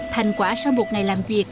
thành quả sau một ngày làm việc